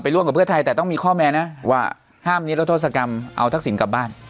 ร่วมกับเพื่อไทยแต่ต้องมีข้อแม้นะว่าห้ามนิรโทษกรรมเอาทักษิณกลับบ้าน